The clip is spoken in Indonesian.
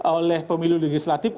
oleh pemilu legislatif